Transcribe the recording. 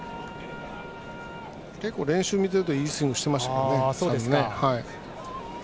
結構、練習を見てるといいスイングしてましたけどね。